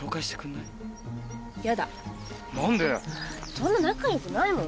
そんな仲よくないもん。